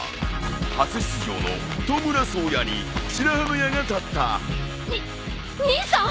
初出場のトムラ颯也に白羽の矢が立った。に兄さん！